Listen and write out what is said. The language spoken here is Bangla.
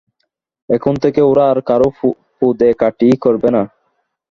এখন থেকে ওরা আর কারো পোদে কাঠি করবে না।